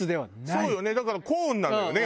そうよねだからコーンなのよね